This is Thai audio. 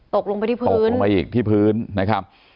ตกลงไปที่พื้นลงมาอีกที่พื้นนะครับ